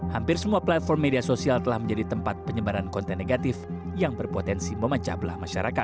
hampir semua platform media sosial telah menjadi tempat penyebaran konten negatif yang berpotensi memecah belah masyarakat